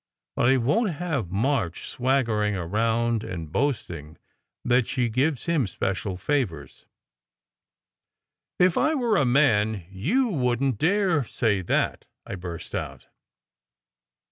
But I won t have March swaggering around and boasting that she gives him special favours." "If I were a man you wouldn t dare say that!" I burst out.